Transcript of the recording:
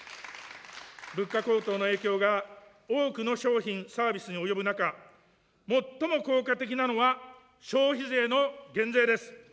物価高騰の影響が多くの商品・サービスに及ぶ中、最も効果的なのは、消費税の減税です。